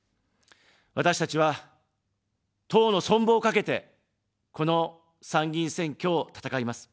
私たちは、党の存亡を懸けて、この参議院選挙を戦います。